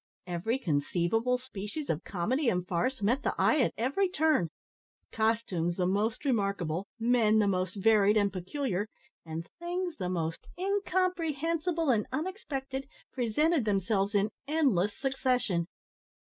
Every conceivable species of comedy and farce met the eye at every turn. Costumes the most remarkable, men the most varied and peculiar, and things the most incomprehensible and unexpected, presented themselves in endless succession.